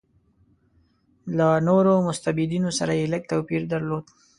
له نورو مستبدینو سره یې لږ توپیر درلود.